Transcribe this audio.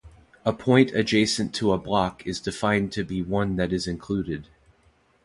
A point adjacent to a block is defined to be one that is included.